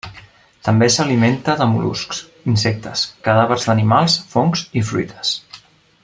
També s'alimenta de mol·luscs, insectes, cadàvers d'animals, fongs i fruites.